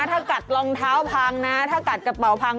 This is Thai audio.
ถ้ากัดรองเท้าพังนะถ้ากัดกระเป๋าพัง